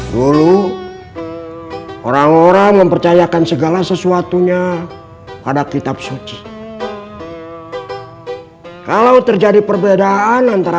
dulu orang orang mempercayakan segala sesuatunya pada kitab suci kalau terjadi perbedaan antara